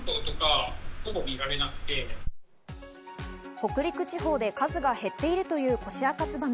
北陸地方で数が減っているというコシアカツバメ。